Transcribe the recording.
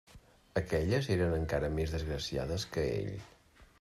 Aquelles eren encara més desgraciades que ell.